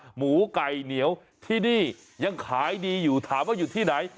หมูไก่เหนียวที่นี่ยังขายดีอยู่ถามว่าอยู่ที่ไหน